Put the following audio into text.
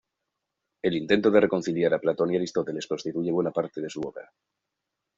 El intento de reconciliar a Platón y Aristóteles constituye buena parte de su obra.